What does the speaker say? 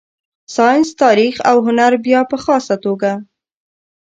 ساینس، تاریخ او هنر بیا په خاصه توګه.